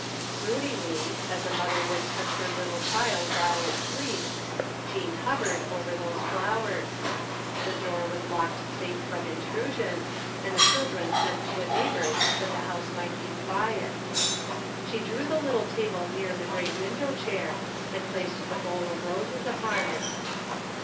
Broodingly, as a mother would touch her little child while it sleeps, Jean hovered over those flowers. The door was locked safe from intrusion, and the children sent to a neighbor's that the house might be quiet 11 161 THE FINDING OF JASPER HOLT She drew the little table near the great window chair, and placed the bowl of roses upon it.